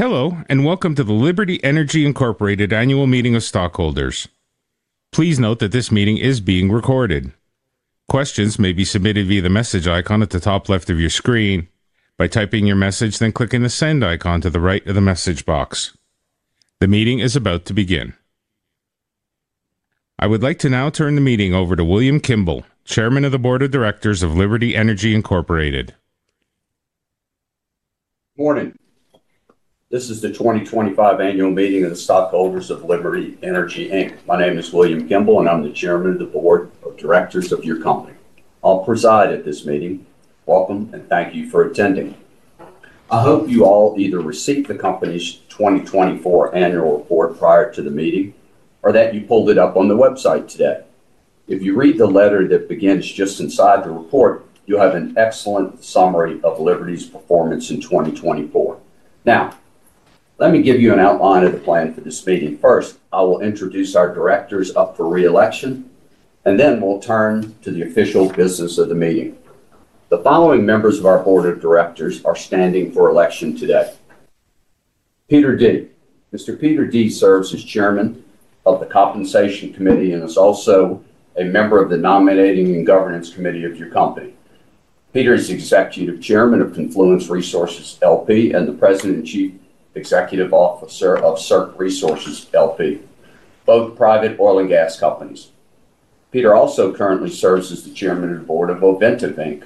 Hello and welcome to the Liberty Energy Annual Meeting of Stockholders. Please note that this meeting is being recorded. Questions may be submitted via the message icon at the top left of your screen by typing your message, then clicking the send icon to the right of the message box. The meeting is about to begin. I would like to now turn the meeting over to William Kimble, Chairman of the Board of Directors of Liberty Energy Inc. Morning. This is the 2025 Annual Meeting of the Stockholders of Liberty Energy Inc. My name is William Kimble, and I'm the Chairman of the Board of Directors of your company. I'll preside at this meeting. Welcome, and thank you for attending. I hope you all either received the company's 2024 annual report prior to the meeting or that you pulled it up on the website today. If you read the letter that begins just inside the report, you'll have an excellent summary of Liberty's performance in 2024. Now, let me give you an outline of the plan for this meeting. First, I will introduce our directors up for reelection, and then we'll turn to the official business of the meeting. The following members of our Board of Directors are standing for election today: Peter Dea. Mr. Peter Dea serves as Chairman of the Compensation Committee and is also a member of the Nominating and Governance Committee of your company. Peter is Executive Chairman of Confluence Resources LP and the President and Chief Executive Officer of Cirque Resources LP, both private oil and gas companies. Peter also currently serves as the Chairman of the Board of Ovintiv Inc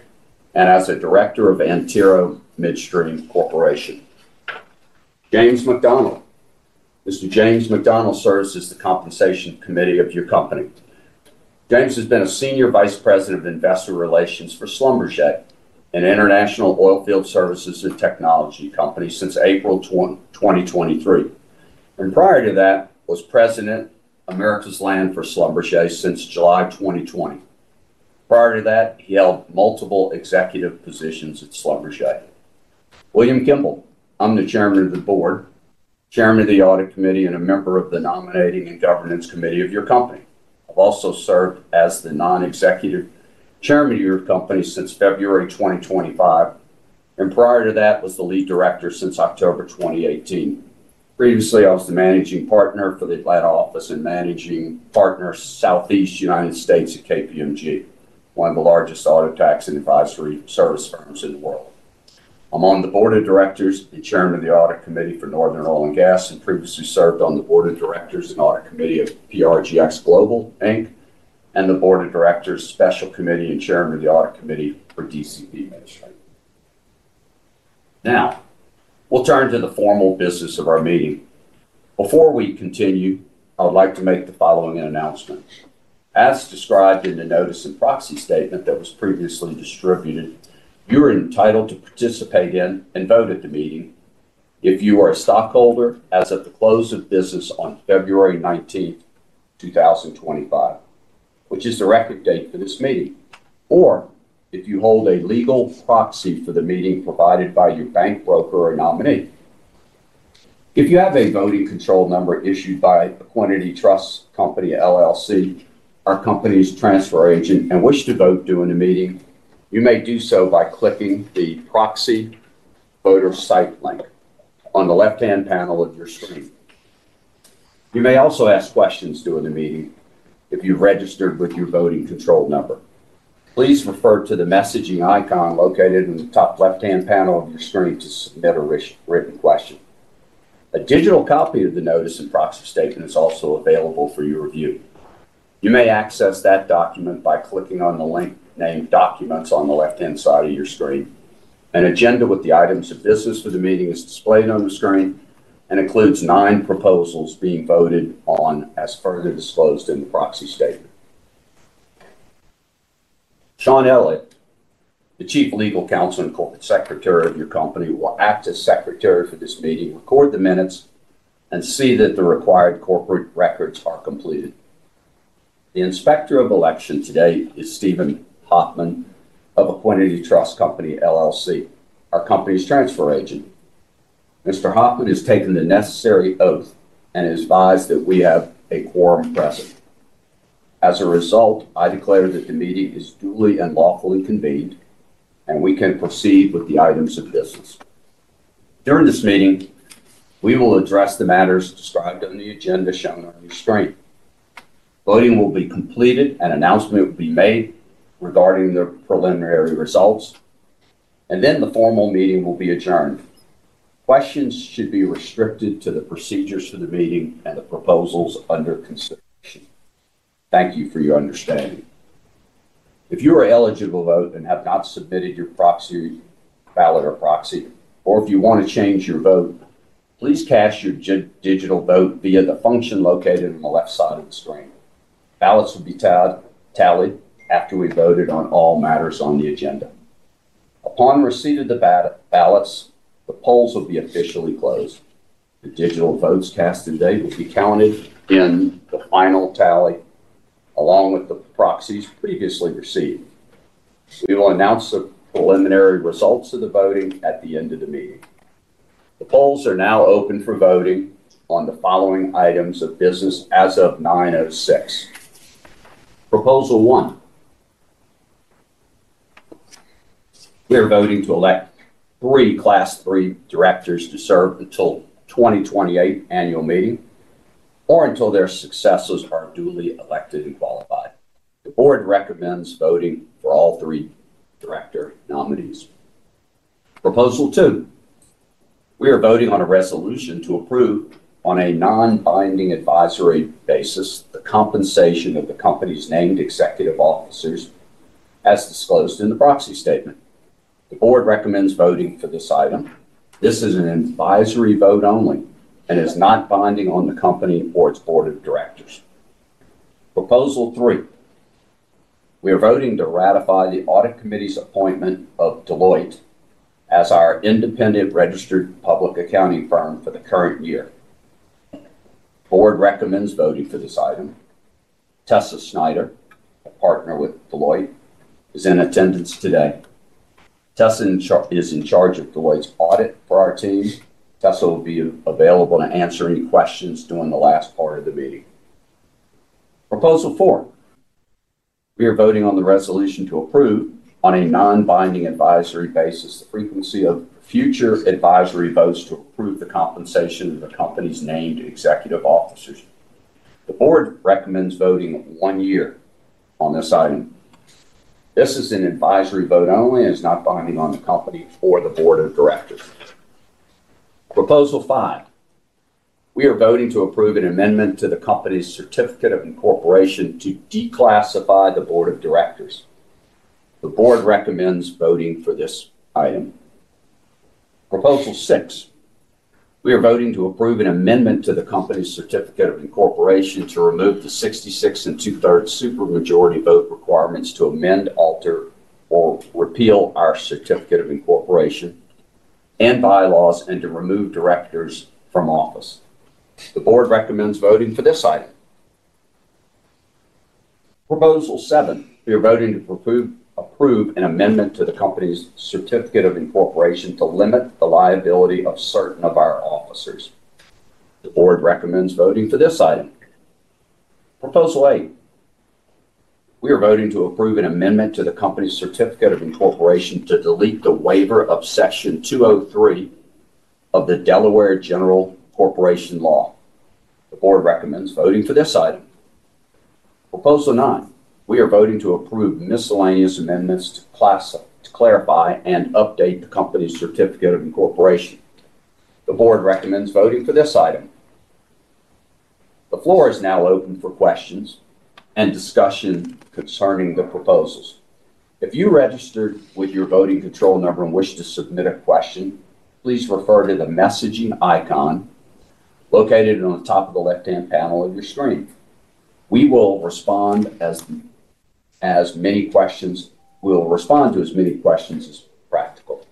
and as a Director of Antero Midstream Corporation. James McDonald. Mr. James McDonald serves as the Compensation Committee of your company. James has been a Senior Vice President of Investor Relations for Schlumberger, an international oil field services and technology company since April 2023, and prior to that was President of Americas Land for Schlumberger since July 2020. Prior to that, he held multiple executive positions at Schlumberger. William Kimble, I'm the Chairman of the Board, Chairman of the Audit Committee, and a member of the Nominating and Governance Committee of your company. I've also served as the Non-Executive Chairman of your company since February 2025, and prior to that was the Lead Director since October 2018. Previously, I was the Managing Partner for the Atlanta office and Managing Partner Southeast United States at KPMG, one of the largest audit, tax, and advisory service firms in the world. I'm on the Board of Directors and Chairman of the Audit Committee for Northern Oil and Gas and previously served on the Board of Directors and Audit Committee of PRGX Global, and the Board of Directors Special Committee and Chairman of the Audit Committee for DCP Midstream. Now, we'll turn to the formal business of our meeting. Before we continue, I would like to make the following announcement. As described in the notice and proxy statement that was previously distributed, you're entitled to participate in and vote at the meeting if you are a stockholder as of the close of business on February 19, 2025, which is the record date for this meeting, or if you hold a legal proxy for the meeting provided by your bank, broker, or nominee. If you have a voting control number issued by Equiniti Trust Company LLC, our company's transfer agent, and wish to vote during the meeting, you may do so by clicking the proxy voter site link on the left-hand panel of your screen. You may also ask questions during the meeting if you've registered with your voting control number. Please refer to the messaging icon located in the top left-hand panel of your screen to submit a written question. A digital copy of the notice and proxy statement is also available for your review. You may access that document by clicking on the link named Documents on the left-hand side of your screen. An agenda with the items of business for the meeting is displayed on the screen and includes nine proposals being voted on as further disclosed in the proxy statement. Sean Elliott, the Chief Legal Counsel and Corporate Secretary of your company, will act as Secretary for this meeting, record the minutes, and see that the required corporate records are completed. The Inspector of Election today is Stephen Hoffman of Equiniti Trust Company LLC, our company's transfer agent. Mr. Hoffman has taken the necessary oath and has advised that we have a quorum present. As a result, I declare that the meeting is duly and lawfully convened and we can proceed with the items of business. During this meeting, we will address the matters described on the agenda shown on your screen. Voting will be completed, an announcement will be made regarding the preliminary results, and then the formal meeting will be adjourned. Questions should be restricted to the procedures for the meeting and the proposals under consideration. Thank you for your understanding. If you are eligible to vote and have not submitted your proxy ballot or proxy, or if you want to change your vote, please cast your digital vote via the function located on the left side of the screen. Ballots will be tallied after we have voted on all matters on the agenda. Upon receipt of the ballots, the polls will be officially closed. The digital votes cast today will be counted in the final tally along with the proxies previously received. We will announce the preliminary results of the voting at the end of the meeting. The polls are now open for voting on the following items of business as of 9:06 A.M. Proposal 1. We are voting to elect three Class 3 Directors to serve until the 2028 Annual Meeting or until their successors are duly elected and qualified. The board recommends voting for all three director nominees. Proposal 2. We are voting on a resolution to approve on a non-binding advisory basis the compensation of the company's named executive officers as disclosed in the proxy statement. The board recommends voting for this item. This is an advisory vote only and is not binding on the company or its board of directors. Proposal 3. We are voting to ratify the Audit Committee's appointment of Deloitte as our independent registered public accounting firm for the current year. The board recommends voting for this item. Tessa Snyder, a partner with Deloitte, is in attendance today. Tessa is in charge of Deloitte's audit for our team. Tessa will be available to answer any questions during the last part of the meeting. Proposal 4. We are voting on the resolution to approve on a non-binding advisory basis the frequency of future advisory votes to approve the compensation of the company's named executive officers. The board recommends voting one year on this item. This is an advisory vote only and is not binding on the company or the board of directors. Proposal 5. We are voting to approve an amendment to the company's certificate of incorporation to declassify the board of directors. The board recommends voting for this item. Proposal 6. We are voting to approve an amendment to the company's certificate of incorporation to remove the 66 and 2/3 supermajority vote requirements to amend, alter, or repeal our certificate of incorporation and bylaws and to remove directors from office. The board recommends voting for this item. Proposal 7. We are voting to approve an amendment to the company's certificate of incorporation to limit the liability of certain of our officers. The board recommends voting for this item. Proposal 8. We are voting to approve an amendment to the company's certificate of incorporation to delete the waiver of Section 203 of the Delaware General Corporation Law. The board recommends voting for this item. Proposal 9. We are voting to approve miscellaneous amendments to clarify and update the company's certificate of incorporation. The board recommends voting for this item. The floor is now open for questions and discussion concerning the proposals. If you registered with your voting control number and wish to submit a question, please refer to the messaging icon located on the top of the left-hand panel of your screen. We will respond to as many questions as practical.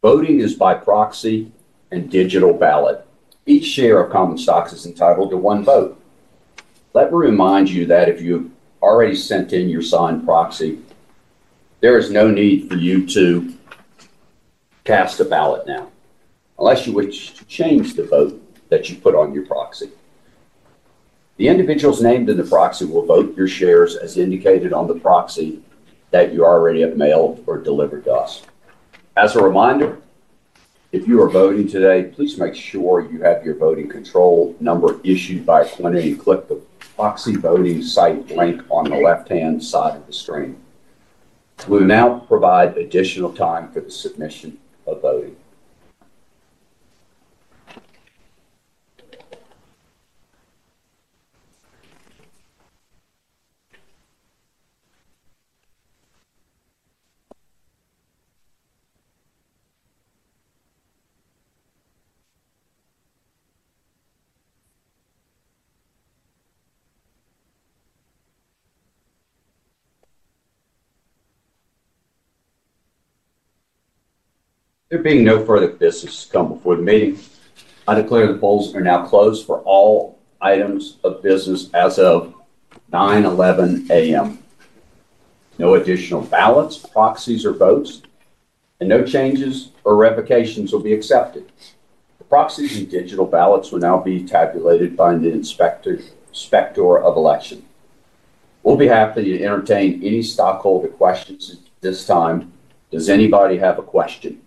Voting is by proxy and digital ballot. Each share of Common Stock is entitled to one vote. Let me remind you that if you've already sent in your signed proxy, there is no need for you to cast a ballot now unless you wish to change the vote that you put on your proxy. The individuals named in the proxy will vote your shares as indicated on the proxy that you already have mailed or delivered to us. As a reminder, if you are voting today, please make sure you have your voting control number issued by Equiniti and click the proxy voting site link on the left-hand side of the screen. We will now provide additional time for the submission of voting. There being no further business to come before the meeting, I declare the polls are now closed for all items of business as of 9:11 A.M. No additional ballots, proxies, or votes, and no changes or revocations will be accepted. The proxies and digital ballots will now be tabulated by the Inspector of Election. We'll be happy to entertain any stockholder questions at this time. Does anybody have a question?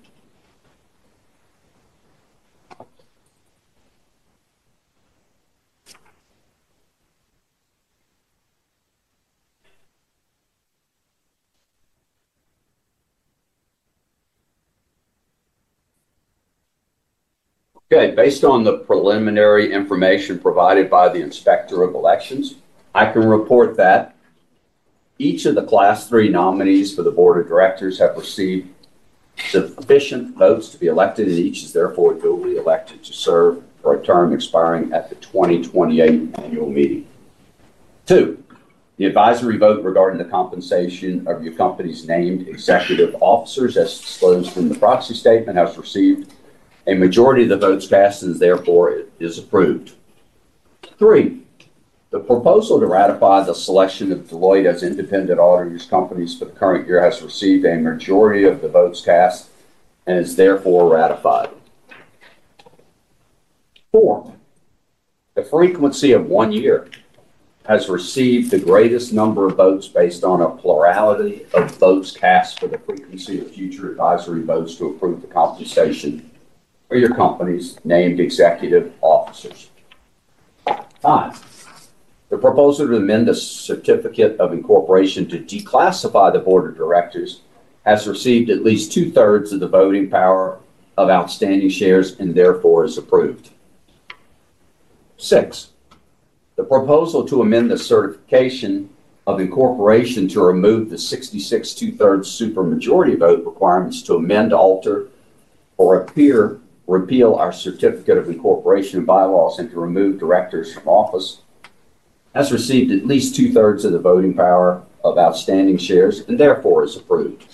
Okay. Based on the preliminary information provided by the Inspector of Election, I can report that each of the Class 3 nominees for the Board of Directors have received sufficient votes to be elected and each is therefore duly elected to serve for a term expiring at the 2028 Annual Meeting. Two. The advisory vote regarding the compensation of your company's named executive officers, as disclosed in the proxy statement, has received a majority of the votes cast and therefore it is approved. Three. The proposal to ratify the selection of Deloitte & Touche as independent auditors for the company for the current year has received a majority of the votes cast and is therefore ratified. Four. The frequency of one year has received the greatest number of votes based on a plurality of votes cast for the frequency of future advisory votes to approve the compensation for your company's named executive officers. Five. The proposal to amend the certificate of incorporation to declassify the Board of Directors has received at least 2/3 of the voting power of outstanding shares and therefore is approved. Six. The proposal to amend the certificate of incorporation to remove the 66 and 2/3 supermajority vote requirements to amend, alter, or repeal our certificate of incorporation and bylaws and to remove directors from office has received at least 2/3 of the voting power of outstanding shares and therefore is approved.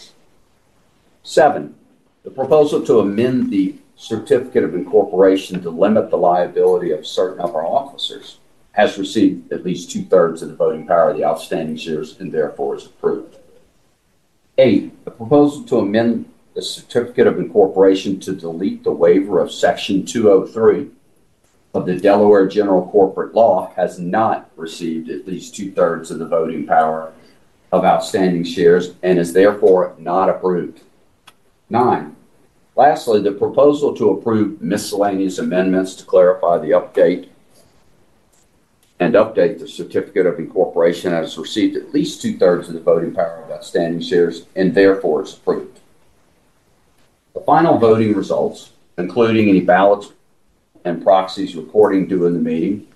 Seven. The proposal to amend the certificate of incorporation to limit the liability of certain of our officers has received at least 2/3 of the voting power of the outstanding shares and therefore is approved. Eight. The proposal to amend the certificate of incorporation to delete the waiver of Section 203 of the Delaware General Corporation Law has not received at least 2/3 of the voting power of outstanding shares and is therefore not approved. Nine. Lastly, the proposal to approve miscellaneous amendments to clarify and update the certificate of incorporation has received at least 2/3 of the voting power of outstanding shares and therefore is approved. The final voting results, including any ballots and proxies reported during the meeting,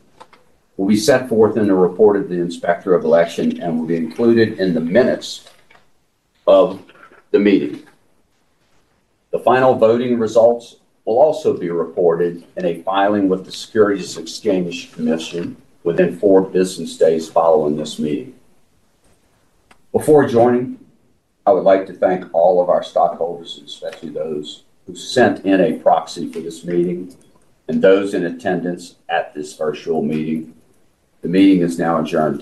will be set forth in a report of the Inspector of Election and will be included in the minutes of the meeting. The final voting results will also be reported in a filing with the Securities and Exchange Commission within four business days following this meeting. Before joining, I would like to thank all of our stockholders, especially those who sent in a proxy for this meeting and those in attendance at this virtual meeting. The meeting is now adjourned.